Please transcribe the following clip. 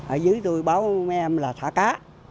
ở dưới tôi báo mấy em là thả cá